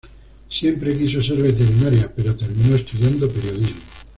Siempre quiso ser veterinaria, pero terminó estudiando periodismo.